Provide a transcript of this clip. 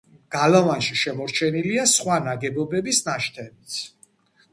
გალავანში შემორჩენილია სხვა ნაგებობის ნაშთებიც.